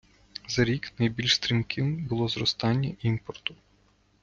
за рік найбільш стрімким було зростання імпорту